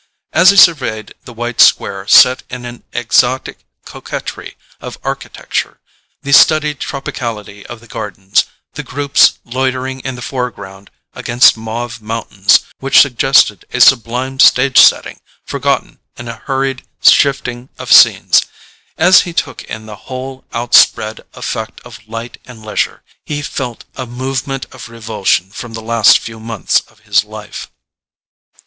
As he surveyed the white square set in an exotic coquetry of architecture, the studied tropicality of the gardens, the groups loitering in the foreground against mauve mountains which suggested a sublime stage setting forgotten in a hurried shifting of scenes—as he took in the whole outspread effect of light and leisure, he felt a movement of revulsion from the last few months of his life.